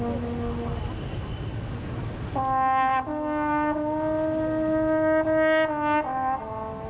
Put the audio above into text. เพลงที่๑๐ทรงโปรด